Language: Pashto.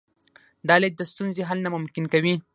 دا لید د ستونزې حل ناممکن کوي.